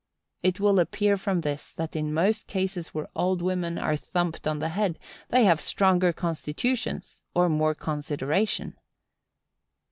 It will appear from this that in most cases where old women are thumped on the head they have stronger constitutions—or more consideration.